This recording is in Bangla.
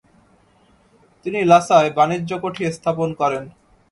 তিনি লাসায় বাণিজ্য কুঠি স্থাপন করেন।